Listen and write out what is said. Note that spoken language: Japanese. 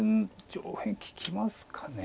上辺利きますかね。